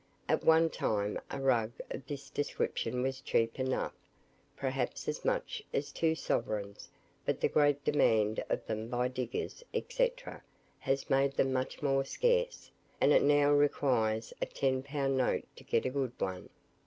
At one time a rug of this description was cheap enough perhaps as much as two sovereigns but the great demand for them by diggers, &c., has made them much more scarce, and it now requires a ten pound note to get a good one.